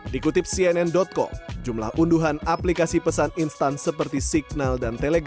dikutip cnn com jumlah unduhan aplikasi pesan instan seperti ini